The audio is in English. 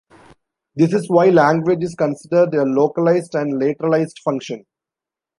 This is why language is considered a localized and lateralized function.